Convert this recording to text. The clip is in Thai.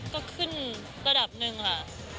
ก็ขึ้นระดับหนึ่งค่ะ